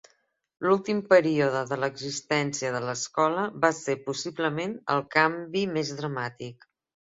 L'últim període de l'existència de l'escola va ser possiblement el canvi més dramàtic.